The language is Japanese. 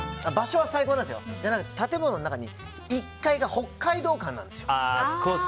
場所は最高なんですけど建物中、１階が北海道館なんですよ。